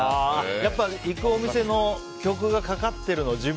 やっぱり行くお店に曲がかかっているのは。